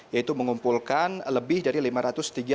yaitu mengumpulkan lebih dari lima ratus tiga puluh dua ribu ktp dukungan